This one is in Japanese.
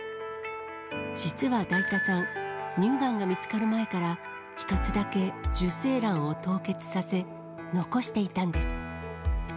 実はだいたさん、乳がんが見つかる前から、１つだけ受精卵を凍結させ、残していたんです。